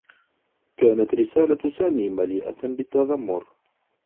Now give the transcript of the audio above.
كانت رسالة سامي مليئة بالتّذمّر.